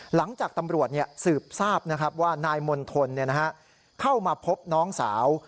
หลังจากตำรวจสืบทราบว่านายมณฑลเข้ามาพบน้องสาว